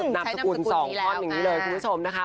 นามสกุล๒ท่อนอย่างนี้เลยคุณผู้ชมนะคะ